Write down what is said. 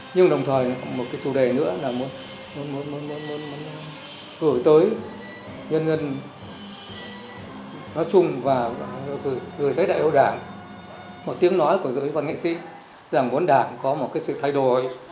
nhưng đồng thời một cái chủ đề nữa là muốn gửi tới nhân dân nói chung và gửi tới đại hội đảng một tiếng nói của giới văn nghệ sĩ rằng muốn đảng có một cái sự thay đổi